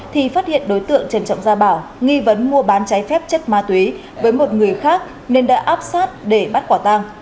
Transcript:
thì phát hiện đối tượng trần trọng gia bảo nghi vấn mua bán cháy phép chất ma túy với một người khác nên đã áp sát để bắt quả tang